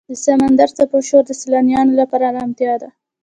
د سمندر څپو شور د سیلانیانو لپاره آرامتیا ده.